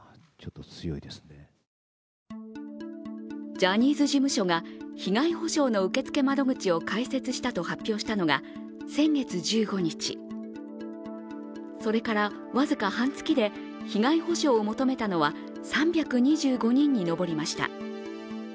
ジャニーズ事務所が被害補償の受付窓口を開設したと発表したのが先月１５日、それから僅か半月で被害補償を求めたのは３２５人に上りました。